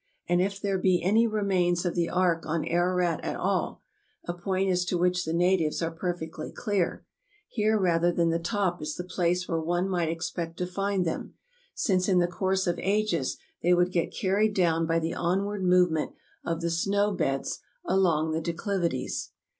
And if there be any remains of the Ark on Ararat at all — a point as to which the natives are perfectly clear — here rather than the top is the place where one might expect to find them, since in the course of ages they would get carried down by the onward movement of the snow beds along the declivities.